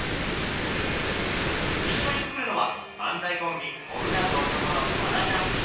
一緒に作るのは漫才コンビ「女と男」のワダちゃん。